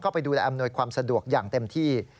ไปดูแลอำนวยความสะดวกอย่างเต็มที่